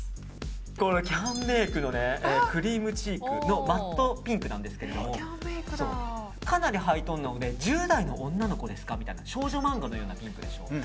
このキャンメイクのクリームチークのマットピンクなんですけどかなりハイトーンなので１０代の女の子で使うみたいな少女マンガのようなピンクでしょ。